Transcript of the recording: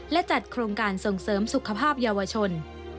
และจัดโครงการส่งเสริมสุขภาพเยาวชน